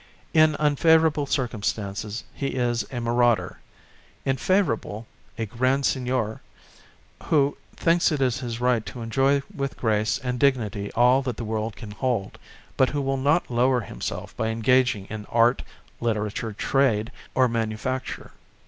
In unfavourable circumstances he is a marauder. In favourable, a Grand Seigneur who thinks it his right to enjoy with grace and dignity all that the world can hold, but who will not lower himself by engaging in art, literature, trade or manufacture.